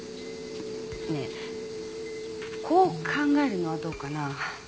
ねえこう考えるのはどうかな？